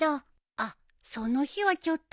あっその日はちょっと。